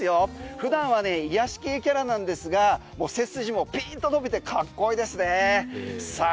普段は癒やし系キャラなんですが背筋もピンと伸びてかっこいいですねさあ